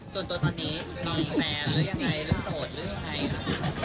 ส่วนตัวตอนนี้ตอนมีแฟนหรือยังไงหรือโสดหรืออะไร